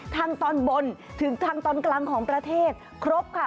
ทางตอนบนถึงทางตอนกลางของประเทศครบค่ะ